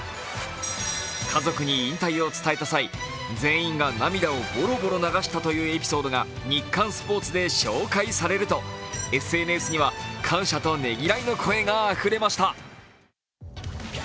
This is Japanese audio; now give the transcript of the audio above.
家族に引退を伝えた際、全員が涙をボロボロ流したというエピソードが「ニッカンスポーツ」で紹介されるとＳＮＳには、感謝とねぎらいの声があふれました。